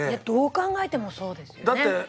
どう考えてもそうですよね。